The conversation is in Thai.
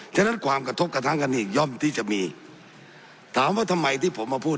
ฉะนั้นความกระทบกระทั่งกันอีกย่อมที่จะมีถามว่าทำไมที่ผมมาพูด